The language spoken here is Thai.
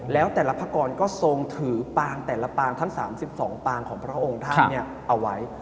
แล้วแต่ละพระกรก็ทรงถือปางแต่ละปางทั้ง๓๒ปางของพระองค์ท่านเอาไว้